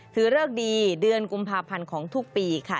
เริกดีเดือนกุมภาพันธ์ของทุกปีค่ะ